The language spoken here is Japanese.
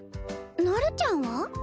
なるちゃんは？